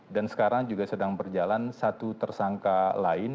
dan sekarang juga sedang berjalan satu tersangka lain